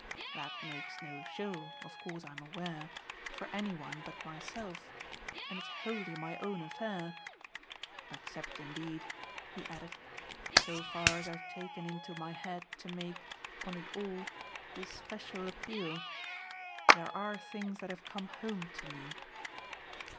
That makes no show, of course I'm aware, for any one but myself, and it's wholly my own affair. Except indeed," he added, "so far as I've taken into my head to make, on it all, this special appeal. There are things that have come home to me."